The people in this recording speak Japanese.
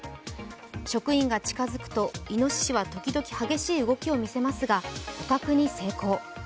職員が近づくといのししは時々、激しい動きを見せますが、捕獲に成功。